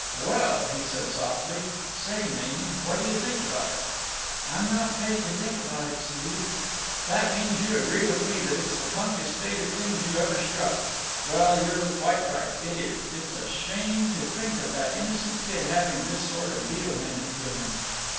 "Well!" he said softly. "Say, Mamie, what do you think about it?" "I'm not paid to think about it, Steve." "That means you agree with me that it's the punkest state of things you ever struck. Well, you're quite right. It is. It's a shame to think of that innocent kid having this sort of deal handed to him.